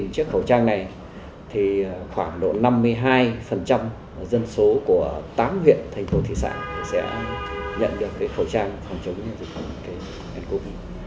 chiếc khẩu trang này thì khoảng độ năm mươi hai dân số của tám huyện thành phố thị xã sẽ nhận được khẩu trang phòng chống dịch covid